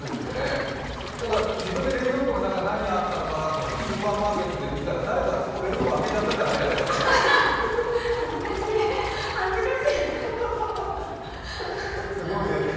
ただ、自分で冷蔵庫の中、何あったのかなと思ってスーパーマーケットで見たら誰か冷蔵庫開けちゃってたら嫌だよね。